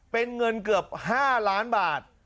เป็นเงินเกือบ๕ล้านบาท